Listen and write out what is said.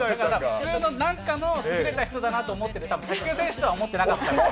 普通のなんかの優れた人だなと思って、卓球選手だと思ってなかったみたいです。